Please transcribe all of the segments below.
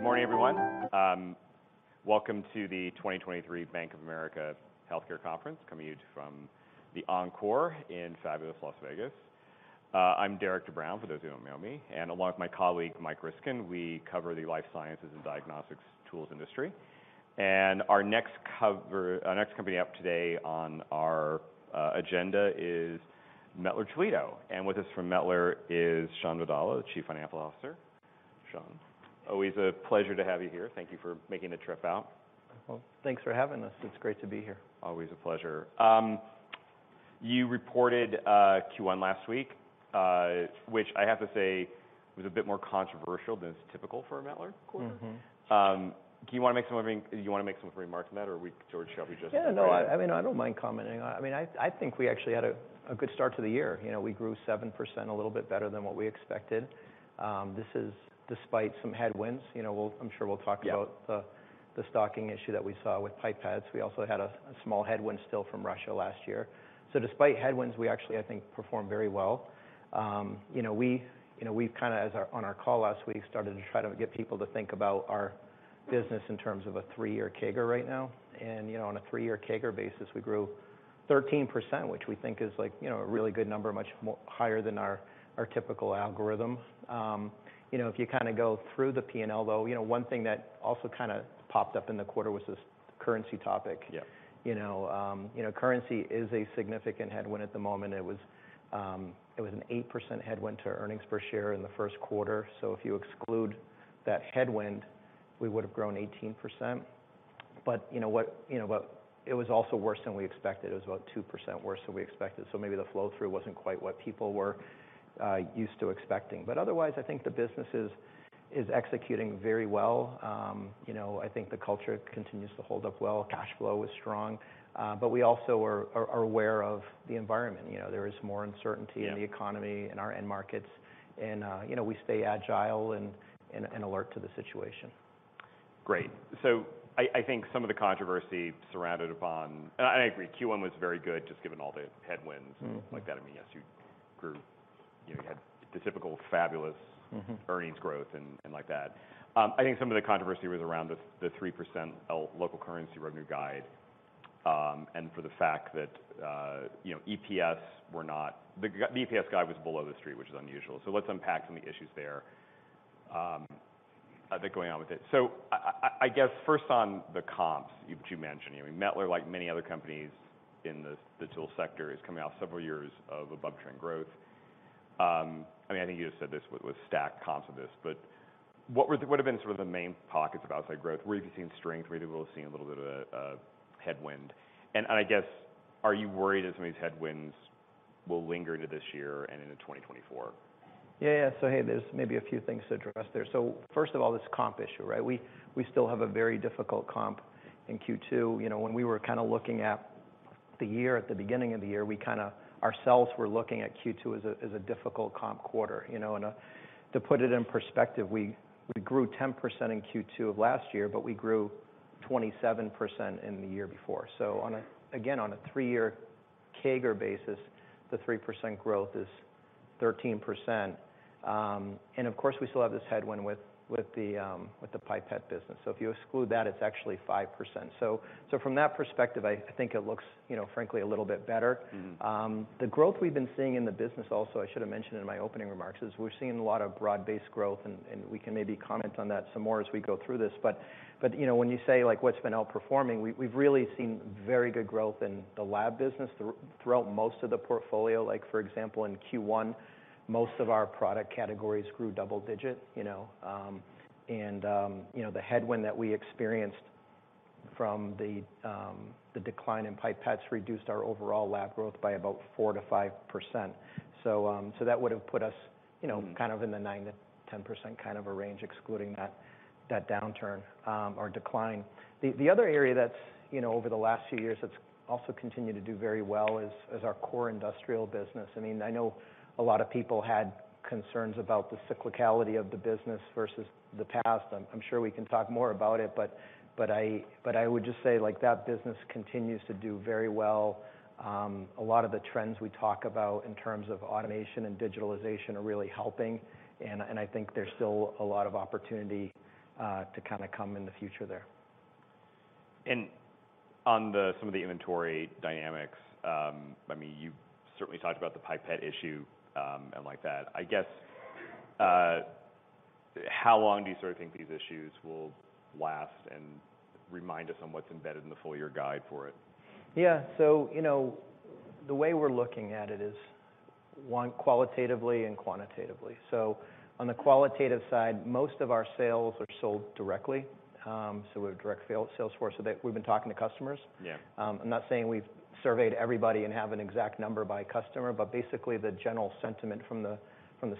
Good morning, everyone. Welcome to the 2023 Bank of America Healthcare conference, coming to you from the Encore in fabulous Las Vegas. I'm Derik De Bruin, for those who don't know me, and along with my colleague, Mike Ryskin, we cover the Life Sciences and Diagnostics Tools industry. Our next company up today on our agenda is Mettler-Toledo. With us from Mettler is Shawn Vadala, the Chief Financial Officer. Shawn, always a pleasure to have you here. Thank you for making the trip out. Well, thanks for having us. It's great to be here. Always a pleasure. You reported Q1 last week, which I have to say was a bit more controversial than is typical for a Mettler quarter. Mm-hmm. Do you wanna make some remarks on that, or George, shall we just? Yeah. No, I mean, I don't mind commenting on it. I mean, I think we actually had a good start to the year. You know, we grew 7%, a little bit better than what we expected. This is despite some headwinds. You know, I'm sure we'll talk about. Yeah The stocking issue that we saw with pipettes. We also had a small headwind still from Russia last year. Despite headwinds, we actually, I think, performed very well. You know, we, you know, we've kinda on our call last week, started to try to get people to think about our business in terms of a three-year CAGR right now. You know, on a three-year CAGR basis, we grew 13%, which we think is like, you know, a really good number, much higher than our typical algorithm. You know, if you kinda go through the P&L, though, you know, one thing that also kinda popped up in the quarter was this currency topic. Yeah. You know, you know, currency is a significant headwind at the moment. It was, it was an 8% headwind to earnings per share in the first quarter, so if you exclude that headwind, we would've grown 18%. You know what, you know, but it was also worse than we expected. It was about 2% worse than we expected, so maybe the flow-through wasn't quite what people were used to expecting. Otherwise, I think the business is executing very well. You know, I think the culture continues to hold up well. Cash flow is strong. We also are aware of the environment. You know, there is more uncertainty- Yeah ...in the economy and our end markets. You know, we stay agile and alert to the situation. Great. I think some of the controversy surrounded upon. I agree, Q1 was very good just given all the headwinds and like that. I mean, yes, you grew. You know, you had the typical. Mm-hmm Earnings growth and like that. I think some of the controversy was around the 3% local currency revenue guide, and for the fact that, you know, the EPS guide was below the street, which is unusual. Let's unpack some of the issues there, I've been going on with it. I guess first on the comps you mentioned, you know, Mettler, like many other companies in the tool sector, is coming off several years of above-trend growth. I mean, I think you just said this was stacked comps of this. What would've been sort of the main pockets of outside growth? Where have you seen strength? Where have you all seen a little bit of a headwind? And I guess, are you worried that some of these headwinds will linger into this year and into 2024? Yeah. Hey, there's maybe a few things to address there. First of all, this comp issue, right? We still have a very difficult comp in Q2. You know, when we were kinda looking at the year at the beginning of the year, we kinda ourselves were looking at Q2 as a difficult comp quarter, you know. To put it in perspective, we grew 10% in Q2 of last year, but we grew 27% in the year before. Again, on a 3-year CAGR basis, the 3% growth is 13%. Of course, we still have this headwind with the pipette business. If you exclude that, it's actually 5%. From that perspective, I think it looks, you know, frankly a little bit better. Mm-hmm. The growth we've been seeing in the business also, I should've mentioned in my opening remarks, is we're seeing a lot of broad-based growth and we can maybe comment on that some more as we go through this. You know, when you say like what's been outperforming, we've really seen very good growth in the lab business throughout most of the portfolio. Like, for example, in Q1, most of our product categories grew double-digit, you know. You know, the headwind that we experienced from the decline in pipettes reduced our overall lab growth by about 4%-5%. That would've put us, you know- Mm-hmm Kind of in the 9%-10% kind of a range, excluding that downturn, or decline. The other area that's, you know, over the last few years that's also continued to do very well is our Core Industrial business. I mean, I know a lot of people had concerns about the cyclicality of the business versus the past. I'm sure we can talk more about it, but I would just say like that business continues to do very well. A lot of the trends we talk about in terms of automation and digitalization are really helping, and I think there's still a lot of opportunity to kinda come in the future there. Some of the inventory dynamics, I mean, you've certainly talked about the pipette issue, and like that. I guess, how long do you sort of think these issues will last and remind us on what's embedded in the full year guide for it? Yeah. You know, the way we're looking at it is, one, qualitatively and quantitatively. On the qualitative side, most of our sales are sold directly, so we have direct sales force so that we've been talking to customers. Yeah. I'm not saying we've surveyed everybody and have an exact number by customer, but basically, the general sentiment from the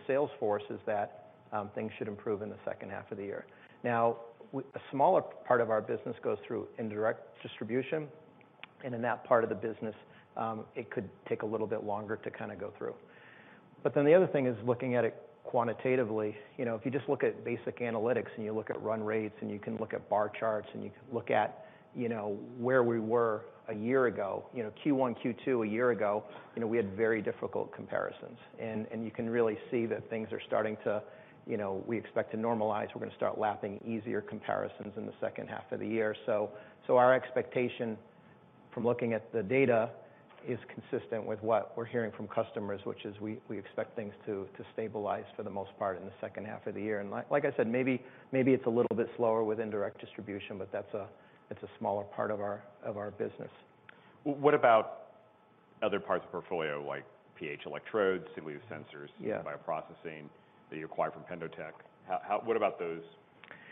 sales force is that things should improve in the second half of the year. A smaller part of our business goes through indirect distribution, and in that part of the business, it could take a little bit longer to kinda go through. The other thing is looking at it quantitatively. You know, if you just look at basic analytics and you look at run rates and you can look at bar charts and you can look at, you know, where we were a year ago, Q1, Q2 a year ago, you know, we had very difficult comparisons. You can really see that things are starting to, you know, we expect to normalize. We're gonna start lapping easier comparisons in the second half of the year. Our expectation from looking at the data is consistent with what we're hearing from customers, which is we expect things to stabilize for the most part in the second half of the year. Like I said, maybe it's a little bit slower with indirect distribution, but that's a smaller part of our business. What about other parts of portfolio like pH electrodes, single-use sensors... Yeah Bioprocessing that you acquired from PendoTECH? How What about those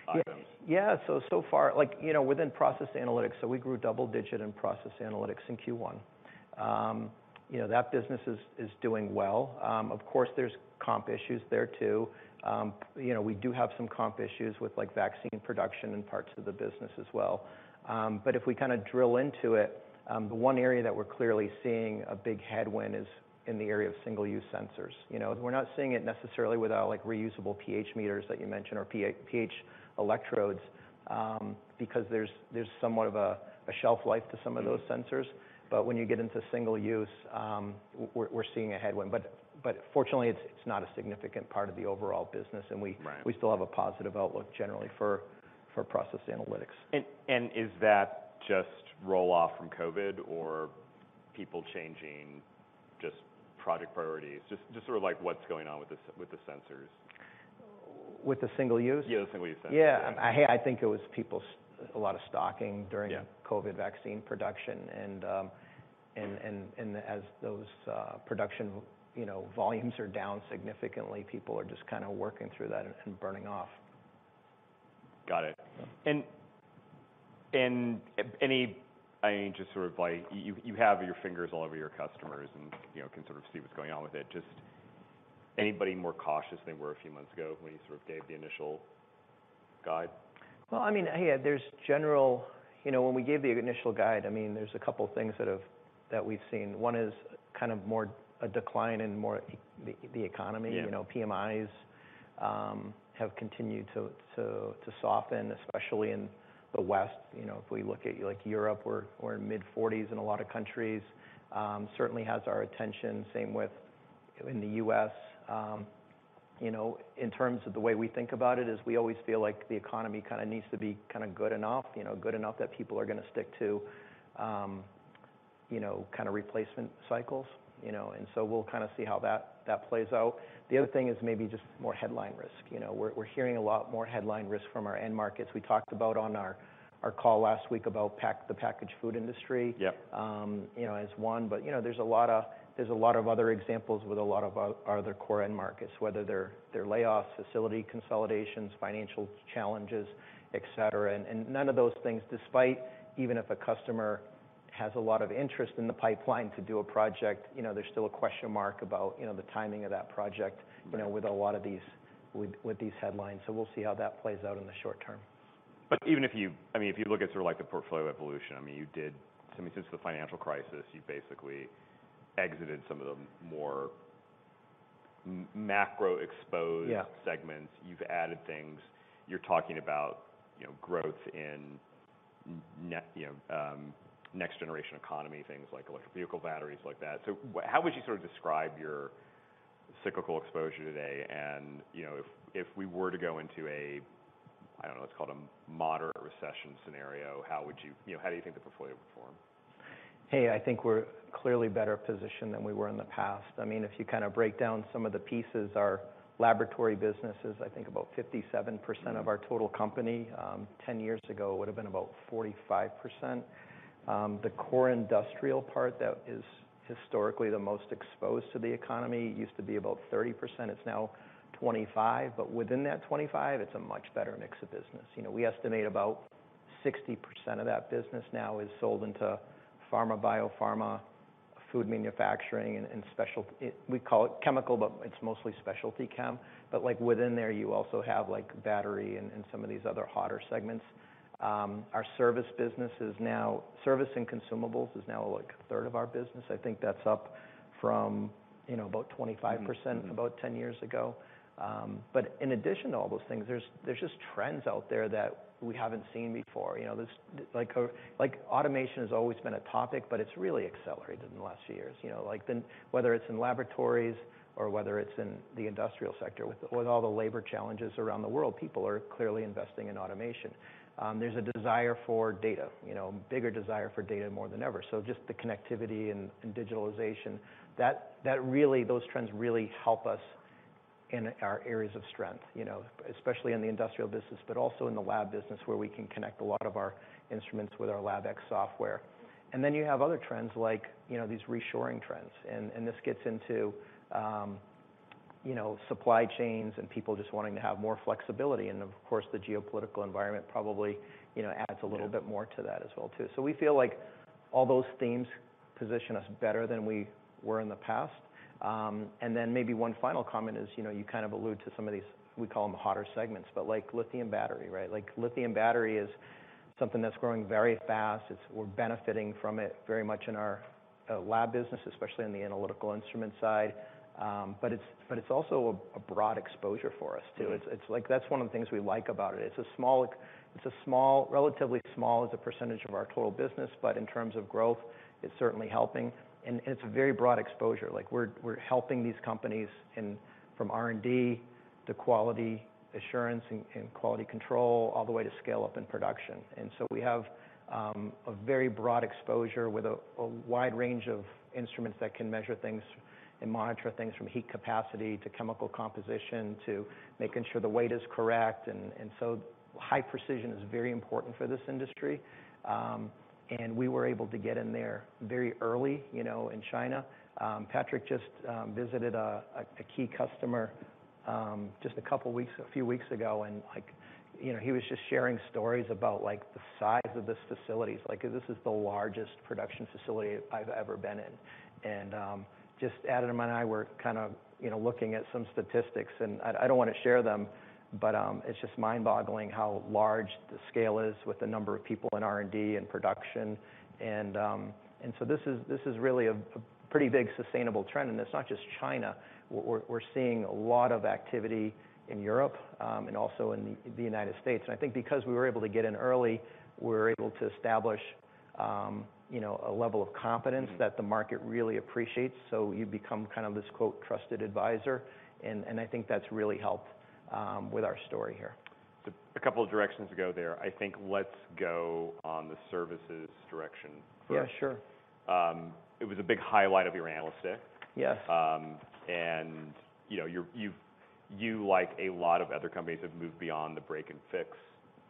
items? Yeah. So far, like, you know, within Process Analytics, we grew double digit in Process Analytics in Q1. You know, that business is doing well. Of course, there's comp issues there too. You know, we do have some comp issues with like vaccine production in parts of the business as well. If we kinda drill into it, the one area that we're clearly seeing a big headwind is in the area of single-use sensors. You know, we're not seeing it necessarily with our like reusable pH meters that you mentioned or pH electrodes, because there's somewhat of a shelf life to some of those sensors. When you get into single use, we're seeing a headwind. Fortunately, it's not a significant part of the overall business. Right. We still have a positive outlook generally for Process Analytics. Is that just roll-off from COVID or people changing just project priorities? Just sort of like what's going on with the sensors? With the single use? Yeah, the single-use sensors. Yeah. hey, I think it was people a lot of stocking during. Yeah COVID vaccine production and as those, production, you know, volumes are down significantly, people are just kinda working through that and burning off. Got it. Any-- I mean, just sort of like you have your fingers all over your customers and, you know, can sort of see what's going on with it. Just anybody more cautious than they were a few months ago when you sort of gave the initial guide? Well, I mean, yeah. You know, when we gave the initial guide, I mean, there's a couple things that we've seen. One is kind of more a decline in more the economy. Yeah. You know, PMIs, have continued to soften, especially in the West. You know, if we look at like Europe, we're in mid-forties in a lot of countries. Certainly has our attention. Same with in the U.S. You know, in terms of the way we think about it is we always feel like the economy kinda needs to be kinda good enough, you know, good enough that people are gonna stick to, you know, kinda replacement cycles, you know. We'll kinda see how that plays out. The other thing is maybe just more headline risk. You know, we're hearing a lot more headline risk from our end markets. We talked about on our call last week about the packaged Food industry- Yeah you know, as one. There's a lot of other examples with a lot of other core end markets, whether they're layoffs, facility consolidations, financial challenges, et cetera. None of those things, despite even if a customer has a lot of interest in the pipeline to do a project, you know, there's still a question mark about, you know, the timing of that project. Yeah You know, with a lot of with these headlines. We'll see how that plays out in the short-term. Even if you, I mean, if you look at sort of like the portfolio evolution, I mean, you did, I mean, since the financial crisis, you basically exited some of the more macro exposed- Yeah segments. You've added things. You're talking about, you know, growth in you know, next generation economy, things like electric vehicle batteries like that. How would you sort of describe your cyclical exposure today and, you know, if we were to go into a, I don't know, let's call it a moderate recession scenario, how would you. You know, how do you think the portfolio would form? Hey, I think we're clearly better positioned than we were in the past. I mean, if you kind of break down some of the pieces, our laboratory business is I think about 57% of our total company. 10 years ago, it would've been about 45%. The core industrial part, that is historically the most exposed to the economy, used to be about 30%, it's now 25%. Within that 25%, it's a much better mix of business. You know, we estimate about 60% of that business now is sold into pharma, biopharma, food manufacturing, and special... We call it chemical, but it's mostly specialty chem. Like within there, you also have like battery and some of these other hotter segments. Our Service business is now Service and consumables is now like a third of our business. I think that's up from, you know, about 25%- Mm-hmm about 10 years ago. In addition to all those things, there's just trends out there that we haven't seen before. You know, like, automation has always been a topic, but it's really accelerated in the last few years. You know, like, whether it's in laboratories or whether it's in the industrial sector. With all the labor challenges around the world, people are clearly investing in automation. There's a desire for data. You know, bigger desire for data more than ever. Just the connectivity and digitalization, that really, those trends really help us in our areas of strength, you know. Especially in the industrial business, but also in the lab business where we can connect a lot of our instruments with our LabX software. Then you have other trends like, you know, these reshoring trends. This gets into, you know, supply chains and people just wanting to have more flexibility. Of course, the geopolitical environment probably, you know, adds a little bit more to that as well too. We feel like all those themes position us better than we were in the past. Maybe one final comment is, you know, you kind of allude to some of these, we call them hotter segments, but like lithium-ion battery, right? Like, lithium-ion battery is something that's growing very fast. We're benefiting from it very much in our lab business, especially in the analytical instrument side. It's also a broad exposure for us too. Yeah. It's like that's one of the things we like about it. It's a small, relatively small as a percentage of our total business, but in terms of growth it's certainly helping, and it's a very broad exposure. Like, we're helping these companies in from R&D to quality assurance and quality control, all the way to scale-up and production. we have a very broad exposure with a wide range of instruments that can measure things and monitor things from heat capacity to chemical composition, to making sure the weight is correct. high precision is very important for this industry. we were able to get in there very early, you know, in China. Patrick just visited a key customer just a few weeks ago, and, like, you know, he was just sharing stories about, like, the size of this facilities. Like, this is the largest production facility I've ever been in. Just Adam and I were kind of, you know, looking at some statistics, and I don't want to share them, but it's just mind-boggling how large the scale is with the number of people in R&D and production. This is really a pretty big sustainable trend. It's not just China. We're seeing a lot of activity in Europe, and also in the United States. I think because we were able to get in early, we were able to establish, you know, a level of confidence. Mm-hmm. That the market really appreciates. You become kind of this, quote, "trusted advisor," and I think that's really helped with our story here. A couple of directions to go there. I think let's go on the Services direction first. Yeah, sure. It was a big highlight of your analyst day. Yes. You know, you're, you like a lot of other companies have moved beyond the break and fix.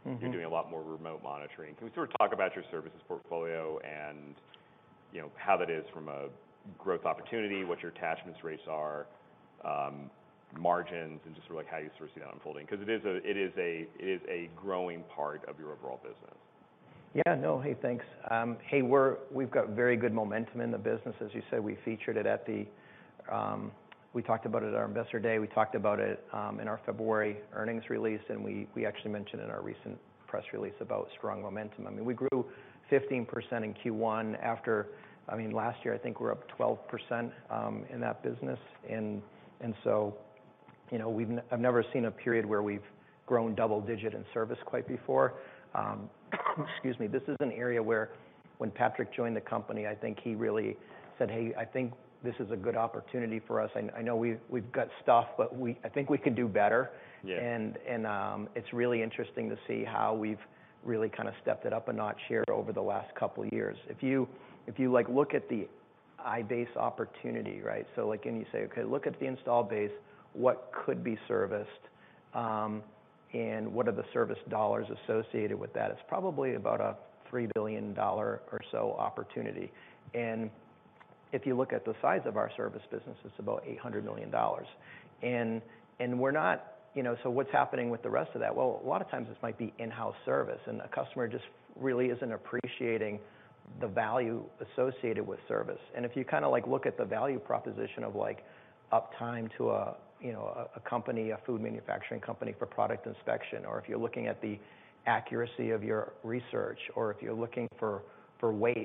Mm-hmm. You're doing a lot more remote monitoring. Can you sort of talk about your services portfolio and, you know, how that is from a growth opportunity, what your attachments rates are, margins, and just sort of like how you sort of see that unfolding? It is a growing part of your overall business. Yeah. No. Hey, thanks. Hey, we've got very good momentum in the business. As you said, we featured it at the, we talked about it at our Investor Day. We talked about it in our February earnings release, we actually mentioned in our recent press release about strong momentum. I mean, we grew 15% in Q1 after... I mean, last year, I think we're up 12% in that business. You know, I've never seen a period where we've grown double-digit in service quite before. Excuse me. This is an area where when Patrick joined the company, I think he really said, Hey, I think this is a good opportunity for us. I know we've got stuff, but I think we could do better. Yeah. It's really interesting to see how we've really kind of stepped it up a notch here over the last couple years. If you, like, look at the iBase opportunity, right? Like, you say, Okay, look at the install base, what could be serviced, and what are the service dollars associated with that It's probably about a $3 billion or so opportunity. If you look at the size of our Service business, it's about $800 million. We're not... You know, what's happening with the rest of that? Well, a lot of times this might be in-house service, and a customer just really isn't appreciating the value associated with service. If you kind of like look at the value proposition of, like, uptime to a, you know, a company, a food manufacturing company for product inspection, or if you're looking at the accuracy of your research or if you're looking for waste,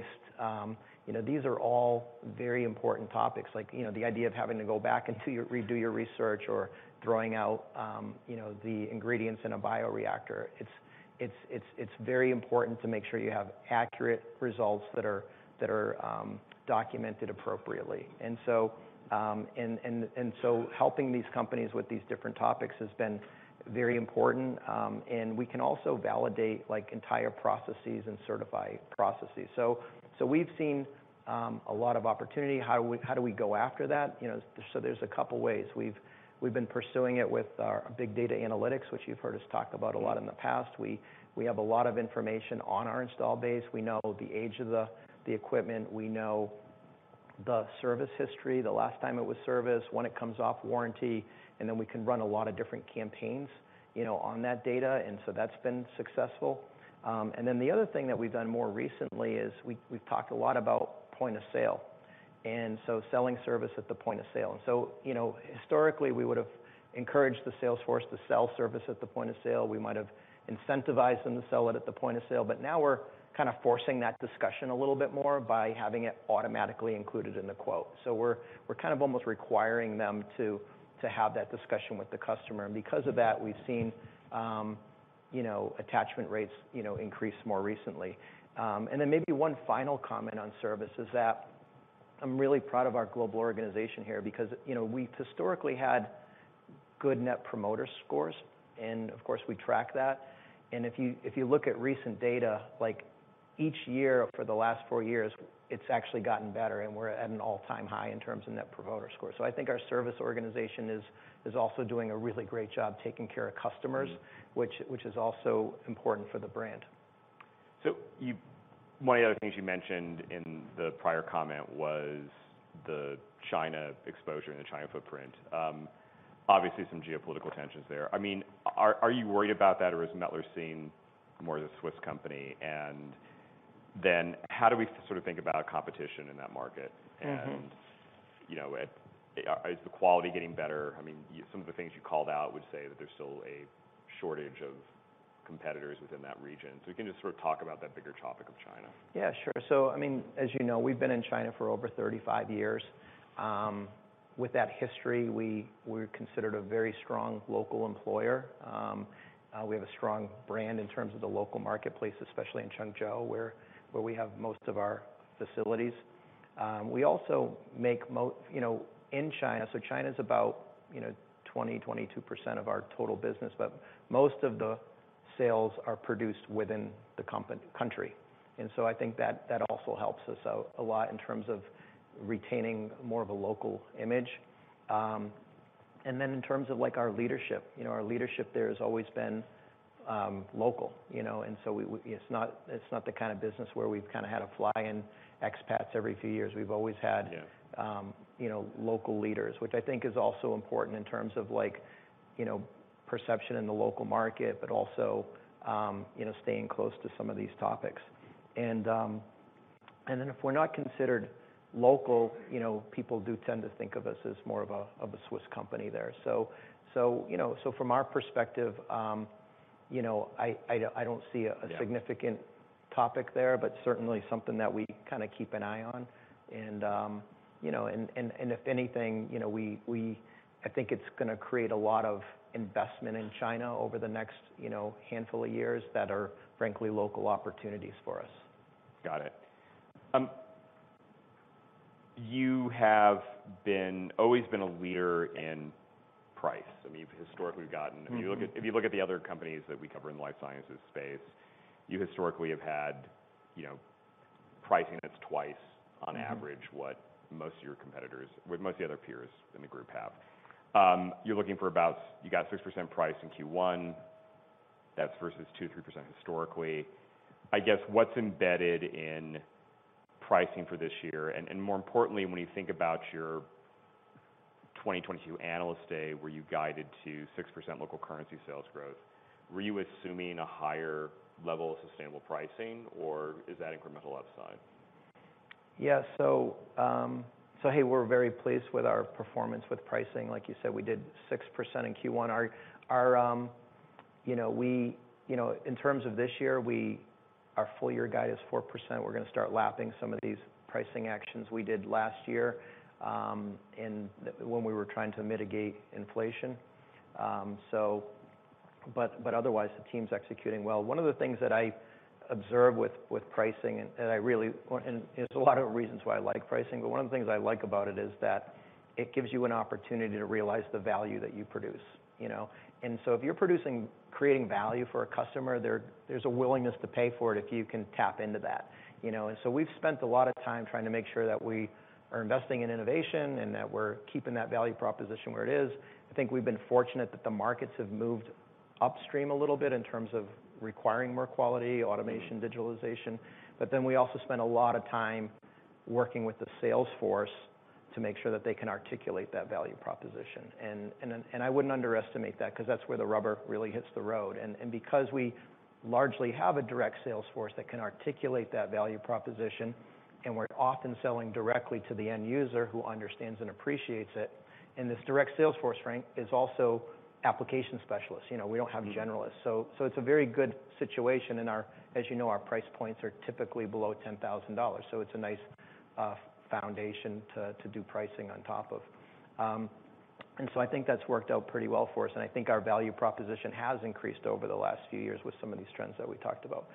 you know, these are all very important topics. Like, you know, the idea of having to go back and redo your research or throwing out, you know, the ingredients in a bioreactor. It's very important to make sure you have accurate results that are documented appropriately. Helping these companies with these different topics has been very important. We can also validate, like, entire processes and certify processes. We've seen a lot of opportunity. How do we go after that? You know, there's a couple ways. We've been pursuing it with our big data analytics, which you've heard us talk about a lot in the past. We have a lot of information on our install base. We know the age of the equipment. We know the service history, the last time it was serviced, when it comes off warranty, and then we can run a lot of different campaigns, you know, on that data. That's been successful. The other thing that we've done more recently is we've talked a lot about point of sale, and so selling service at the point of sale. You know, historically, we would've encouraged the sales force to sell service at the point of sale. We might have incentivized them to sell it at the point of sale. Now we're kind of forcing that discussion a little bit more by having it automatically included in the quote. We're kind of almost requiring them to have that discussion with the customer. Because of that, we've seen, you know, attachment rates, you know, increase more recently. Maybe one final comment on service is that I'm really proud of our global organization here because, you know, we've historically had good net promoter scores, and of course, we track that. If you look at recent data, like, each year for the last four years, it's actually gotten better, and we're at an all-time high in terms of net promoter score. I think our service organization is also doing a really great job taking care of customers. Mm-hmm. Which is also important for the brand. One of the other things you mentioned in the prior comment was the China exposure and the China footprint. Obviously some geopolitical tensions there. I mean, are you worried about that, or is Mettler seen more as a Swiss company? How do we sort of think about competition in that market? Mm-hmm. You know, is the quality getting better? I mean, some of the things you called out would say that there's still a shortage of competitors within that region. If you can just sort of talk about that bigger topic of China. Yeah, sure. I mean, as you know, we've been in China for over 35 years. With that history, we're considered a very strong local employer. We have a strong brand in terms of the local marketplace, especially in Changzhou, where we have most of our facilities. We also make You know. China's about, you know, 20%-22% of our total business, but most of the sales are produced within the country. I think that also helps us out a lot in terms of retaining more of a local image. In terms of, like, our leadership, you know, our leadership there has always been local, you know? It's not the kind of business where we've kinda had to fly in expats every few years. We've always had. Yeah You know, local leaders. Which I think is also important in terms of, like, you know, perception in the local market, but also, you know, staying close to some of these topics. Then if we're not considered local, you know, people do tend to think of us as more of a, of a Swiss company there. You know, so from our perspective, you know, I don-. Yeah I don't see a significant topic there, but certainly something that we kinda keep an eye on. You know, if anything, you know, I think it's gonna create a lot of investment in China over the next, you know, handful of years that are frankly local opportunities for us. Got it. always been a leader in price. I mean, you've historically gotten. Mm-hmm. If you look at the other companies that we cover in the life sciences space, you historically have had, you know, pricing that's twice on average. Mm-hmm what most of the other peers in the group have. You got 6% price in Q1. That's versus 2%-3% historically. I guess, what's embedded in pricing for this year? More importantly, when you think about your 2022 Analyst Day, where you guided to 6% local currency sales growth, were you assuming a higher level of sustainable pricing, or is that incremental upside? Yeah. Hey, we're very pleased with our performance with pricing. Like you said, we did 6% in Q1. Our, you know, You know, in terms of this year, our full-year guide is 4%. We're gonna start lapping some of these pricing actions we did last year, when we were trying to mitigate inflation. Otherwise, the team's executing well. One of the things that I observe with pricing and I really There's a lot of reasons why I like pricing, but one of the things I like about it is that it gives you an opportunity to realize the value that you produce, you know? If you're producing, creating value for a customer, there's a willingness to pay for it if you can tap into that, you know? We've spent a lot of time trying to make sure that we are investing in innovation and that we're keeping that value proposition where it is. I think we've been fortunate that the markets have moved upstream a little bit in terms of requiring more quality, automation. Mm-hmm Digitalization. We also spend a lot of time working with the sales force to make sure that they can articulate that value proposition. I wouldn't underestimate that, 'cause that's where the rubber really hits the road. Because we largely have a direct sales force that can articulate that value proposition, and we're often selling directly to the end user who understands and appreciates it, and this direct sales force, Frank, is also application specialists. You know, we don't have generalists. Mm-hmm. It's a very good situation. As you know, our price points are typically below $10,000, so it's a nice foundation to do pricing on top of. I think that's worked out pretty well for us, and I think our value proposition has increased over the last few years with some of these trends that we talked about.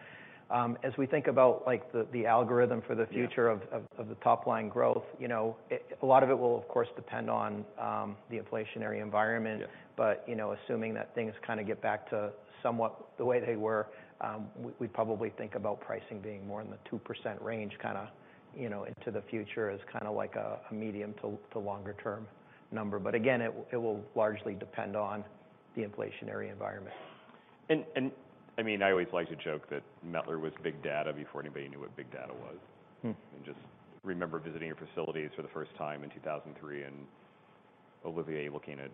As we think about, like, the algorithm for the future. Yeah of the top line growth, you know, A lot of it will of course depend on the inflationary environment. Yeah. You know, assuming that things kinda get back to somewhat the way they were, we probably think about pricing being more in the 2% range, kinda, you know, into the future, as kinda like a medium to longer term number. Again, it will largely depend on the inflationary environment. I mean, I always like to joke that Mettler was big data before anybody knew what big data was. Hmm. Just remember visiting your facilities for the first time in 2003 and Olivier looking at,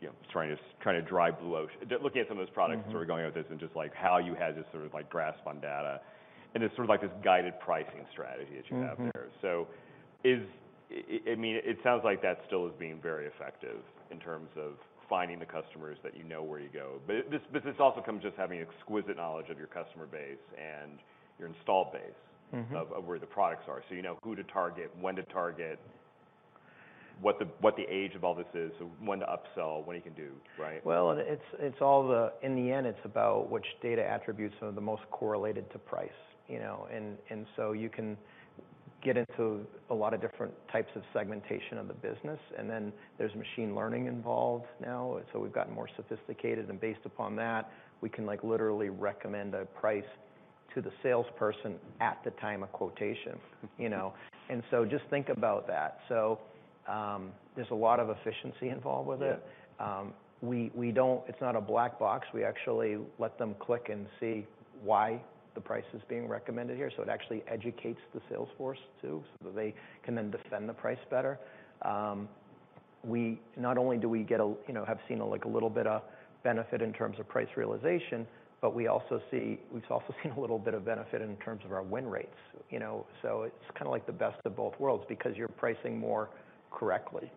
you know, trying to drive Blue Ocean. Looking at some of those products. Mm-hmm and sort of going with this, and just, like, how you had this sort of, like, grasp on data. This sort of, like, this guided pricing strategy that you have there. Mm-hmm. I mean, it sounds like that still is being very effective in terms of finding the customers that you know where you go. This also comes just having exquisite knowledge of your customer base and your installed base. Mm-hmm of where the products are. You know who to target, when to target, what the age of all this is. When to upsell, when you can do, right? Well, it's all In the end, it's about which data attributes are the most correlated to price, you know? You can get into a lot of different types of segmentation of the business, and then there's machine learning involved now. We've gotten more sophisticated, and based upon that, we can, like, literally recommend a price to the salesperson at the time of quotation. Mm-hmm. You know? Just think about that. There's a lot of efficiency involved with it. Yeah. We don't. It's not a black box. We actually let them click and see why the price is being recommended here. It actually educates the sales force too, so that they can then defend the price better. Not only do we get a, you know, have seen, like, a little bit of benefit in terms of price realization, but we've also seen a little bit of benefit in terms of our win rates, you know? It's kinda like the best of both worlds, because you're pricing more correctly.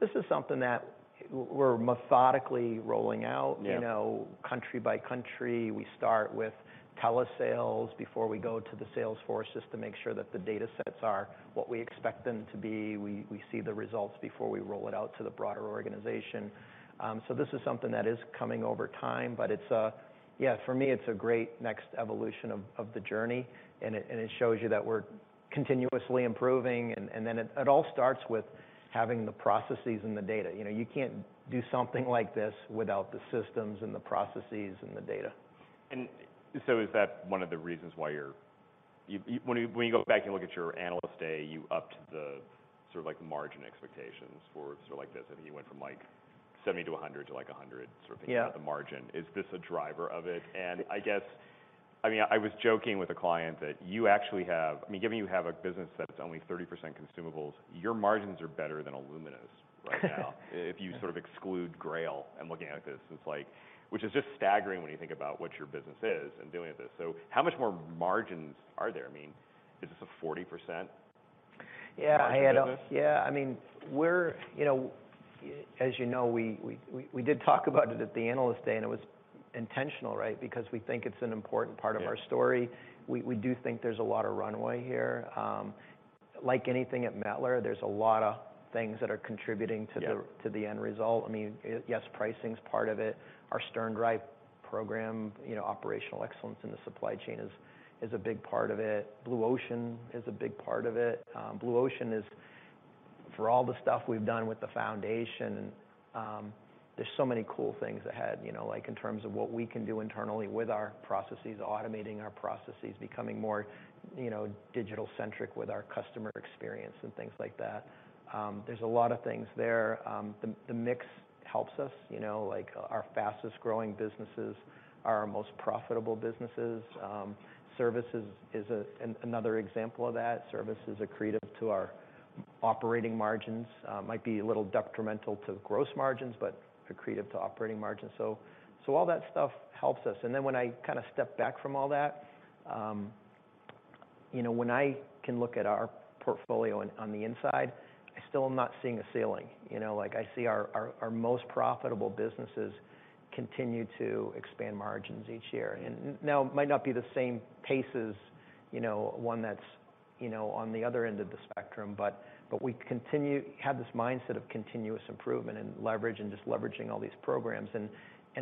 This is something that we're methodically rolling out. Yeah you know, country by country. We start with telesales before we go to the sales forces to make sure that the data sets are what we expect them to be. We see the results before we roll it out to the broader organization. This is something that is coming over time, but it's a. Yeah, for me, it's a great next evolution of the journey, and it shows you that we're continuously improving. It all starts with having the processes and the data. You know, you can't do something like this without the systems and the processes and the data. Is that one of the reasons why you when you go back and look at your Analyst Day, you upped the sort of like margin expectations for sort of like this. I think you went like, 70%-100% to, like, 100% sort of thing... Yeah at the margin. Is this a driver of it? I guess, I mean, I was joking with a client that you actually have-- I mean, given you have a business that's only 30% consumables, your margins are better than Illumina's right now. If you sort of exclude GRAIL and looking at this, it's like. Which is just staggering when you think about what your business is in doing this. How much more margins are there? I mean, is this a 40%- Yeah. margin business? Yeah. I mean, we're, you know, we did talk about it at the analyst day. It was intentional, right? Because we think it's an important part of our story. Yeah. We do think there's a lot of runway here. Like anything at Mettler, there's a lot of things that are contributing. Yeah to the end result. I mean, yes, pricing is part of it. Our SternDrive program, you know, operational excellence in the supply chain is a big part of it. Blue Ocean is a big part of it. Blue Ocean is, for all the stuff we've done with the foundation, there's so many cool things ahead, you know, like in terms of what we can do internally with our processes, automating our processes, becoming more, you know, digital-centric with our customer experience and things like that. There's a lot of things there. The mix helps us, you know. Like our fastest-growing businesses are our most profitable businesses. Service is another example of that. Service is accretive to our operating margins. Might be a little detrimental to gross margins, but accretive to operating margins. All that stuff helps us. Then when I kinda step back from all that, you know, when I can look at our portfolio on the ins ide, I still am not seeing a ceiling. You know, like I see our most profitable businesses contiue to expand margins each year. Now it might not be the same pace as, you know, one that's, you know, on the other end of the spectrum, but we have this mindset of continuous improvement and leverage and just leveraging all these programs.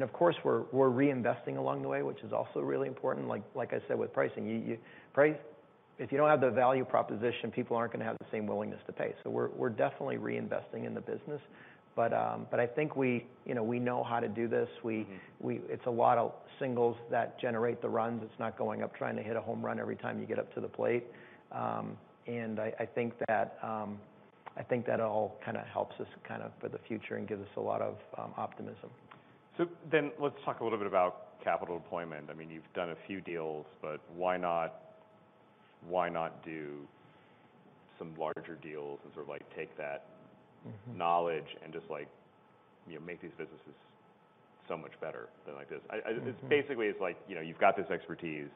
Of course, we're reinvesting along the way, which is also really important. Like I said, with pricing, you. Price, if you don't have the value proposition, people aren't gonna have the same willingness to pay. We're, we're definitely reinvesting in the business. But I think we, you know, we know how to do this. Mm-hmm. It's a lot of singles that generate the runs. It's not going up trying to hit a home run every time you get up to the plate. I think that, I think that all kinda helps us kind of for the future and gives us a lot of optimism. Let's talk a little bit about capital deployment. I mean, you've done a few deals, but why not do some larger deals and sort of like take that? Mm-hmm knowledge and just like, you know, make these businesses so much better than like this. Mm-hmm. Basically, it's like, you know, you've got this expertise,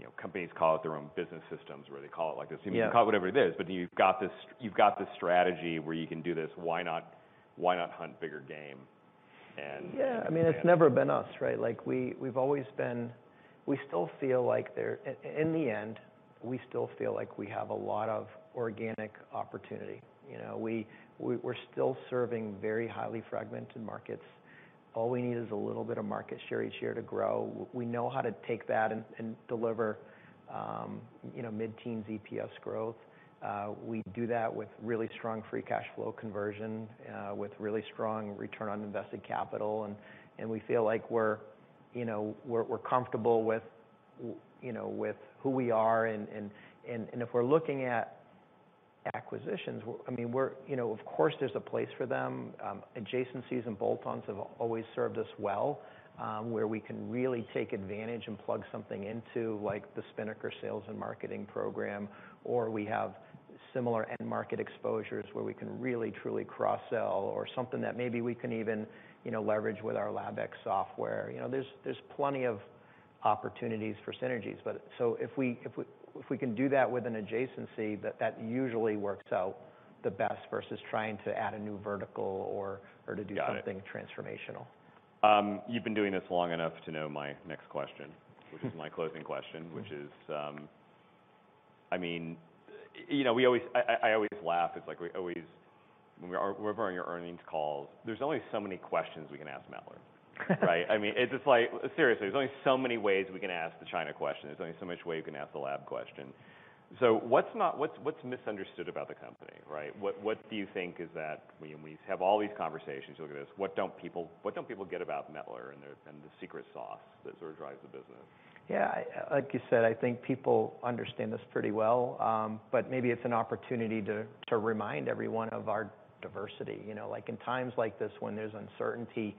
you know, companies call it their own business systems where they call it like this. Yeah. You can call it whatever it is, but you've got this strategy where you can do this. Why not hunt bigger game and? Yeah. I mean, it's never been us, right? Like we've always been. In the end, we still feel like we have a lot of organic opportunity. You know, we're still serving very highly fragmented markets. All we need is a little bit of market share each year to grow. We know how to take that and deliver, you know, mid-teens EPS growth. We do that with really strong free cash flow conversion, with really strong return on invested capital. We feel like we're, you know, comfortable with, you know, with who we are. If we're looking at acquisitions, I mean, you know, of course, there's a place for them. Adjacencies and bolt-ons have always served us well, where we can really take advantage and plug something into like the Spinnaker sales and marketing program, or we have similar end-market exposures where we can really, truly cross-sell or something that maybe we can even leverage with our LabX software. There's plenty of opportunities for synergies. If we can do that with an adjacency, that usually works out the best versus trying to add a new vertical or to do. Got it. something transformational. You've been doing this long enough to know my next question, which is my closing question. Mm-hmm. Which is, I mean, you know, I always laugh. It's like whenever we're on your earnings calls, there's only so many questions we can ask Mettler, right? I mean, seriously, there's only so many ways we can ask the China question. There's only so much way you can ask the lab question. What's misunderstood about the company, right? What do you think is that when we have all these conversations, look at this, what don't people get about Mettler and the secret sauce that sort of drives the business? Yeah. Like you said, I think people understand this pretty well, but maybe it's an opportunity to remind everyone of our diversity. You know, like in times like this, when there's uncertainty,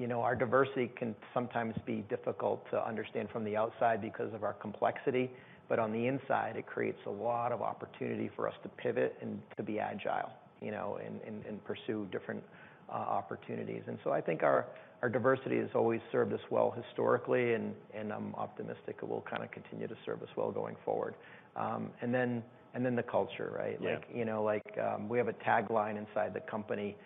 you know, our diversity can sometimes be difficult to understand from the outside because of our complexity. On the inside, it creates a lot of opportunity for us to pivot and to be agile, you know, and pursue different opportunities. I think our diversity has always served us well historically, and I'm optimistic it will kinda continue to serve us well going forward. Then the culture, right? Yeah. Like, you know, like, we have a tagline inside the company,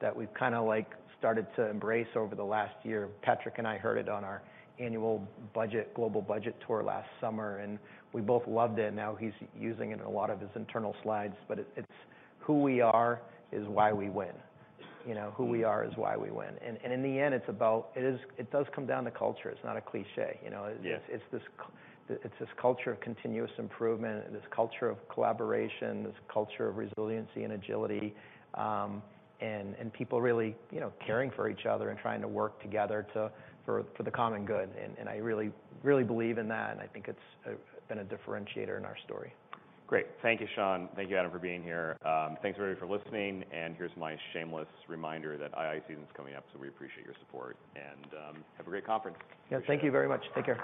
that we've kinda like started to embrace over the last year. Patrick and I heard it on our annual budget, global budget tour last summer. We both loved it. He's using it in a lot of his internal slides. It's, "Who we are is why we win." You know? Mm-hmm. Who we are is why we win. In the end, it does come down to culture. It's not a cliché, you know? Yeah. It's this culture of continuous improvement, this culture of collaboration, this culture of resiliency and agility, and people really, you know, caring for each other and trying to work together for the common good. I really believe in that, and I think it's been a differentiator in our story. Great. Thank you, Shawn. Thank you, Adam, for being here. Thanks, everybody, for listening. Here's my shameless reminder that ISI season's coming up, so we appreciate your support. Have a great conference. Yeah. Thank you very much. Take care.